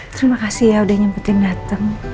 terima kasih ya udah nyempetin dateng